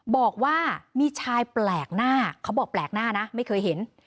บอกว่ามีชายแปลกหน้าเขาบอกแปลกหน้านะไม่เคยเห็น